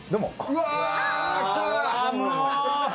うわ！